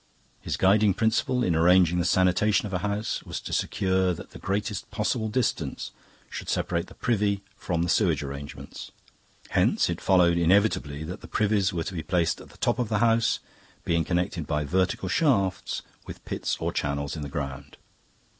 His guiding principle in arranging the sanitation of a house was to secure that the greatest possible distance should separate the privy from the sewage arrangements. Hence it followed inevitably that the privies were to be placed at the top of the house, being connected by vertical shafts with pits or channels in the ground.